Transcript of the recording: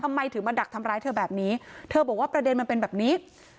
ทำไมถึงมาดักทำร้ายเธอแบบนี้เธอบอกว่าประเด็นมันเป็นแบบนี้